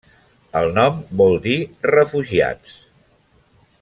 El nom vol dir 'refugiats'.